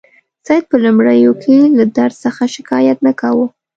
سید په لومړیو کې له درد څخه شکایت نه کاوه.